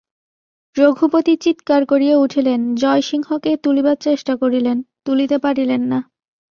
রঘুপতি চীৎকার করিয়া উঠিলেন–জয়সিংহকে তুলিবার চেষ্টা করিলেন, তুলিতে পারিলেন না।